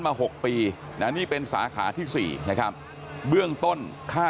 สวยชีวิตทั้งคู่ก็ออกมาไม่ได้อีกเลยครับ